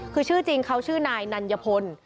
คือชื่อจริงเขาชื่อนายนัญพล